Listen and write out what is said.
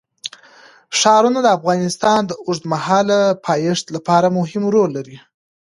ښارونه د افغانستان د اوږدمهاله پایښت لپاره مهم رول لري.